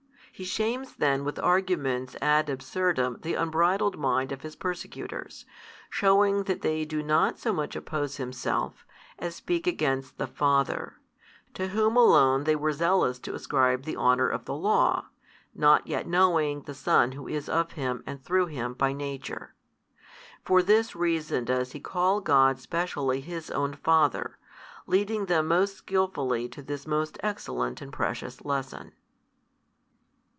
He shames then with arguments ad absurdum the unbridled mind of His persecutors, shewing that they do not so much oppose Himself, as speak against the Father, to Whom Alone they were zealous to ascribe the honour of the Law, not yet knowing the Son Who is of Him and through Him by Nature. For this reason does He call God specially His own Father, leading them most skilfully to this most excellent and precious lesson.